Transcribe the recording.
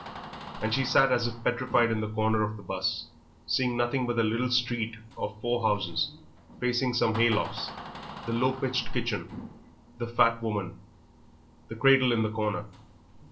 And she sat as if petrified in the corner of the 'bus, seeing nothing but a little street of four houses, facing some haylofts, the low pitched kitchen, the fat woman, the cradle in the corner.